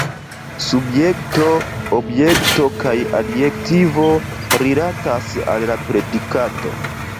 Subjekto, objekto kaj adjektivo rilatas al la predikato.